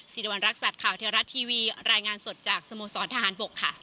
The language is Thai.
สิริวัณรักษัตริย์ข่าวเทวรัฐทีวีรายงานสดจากสโมสรทหารบกค่ะ